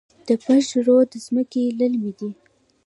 د پشت رود ځمکې للمي دي